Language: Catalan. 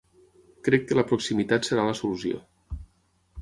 Crec que la proximitat serà la solució.